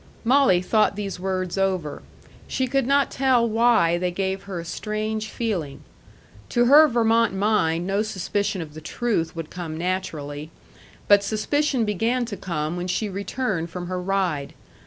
Molly thought these words over. She could not tell why they gave her a strange feeling. To her Vermont mind no suspicion of the truth would come naturally. But suspicion began to come when she returned from her ride.